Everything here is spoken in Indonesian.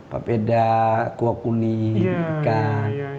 papeda kuah kuning ikan